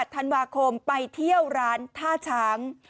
ธันวาคมไปเที่ยวร้านท่าช้าง